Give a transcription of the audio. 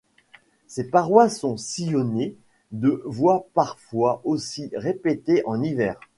Ces parois sont sillonnées de voies, parfois aussi répétées en hiver.